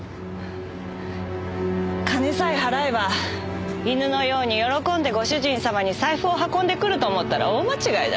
金さえ払えば犬のように喜んでご主人様に財布を運んでくると思ったら大間違いだ。